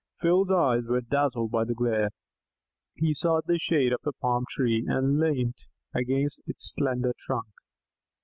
Phil's eyes were dazzled by the glare; he sought the shade of a palm tree and leant against its slender trunk.